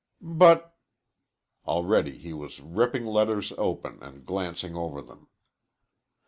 "But " Already he was ripping letters open and glancing over them.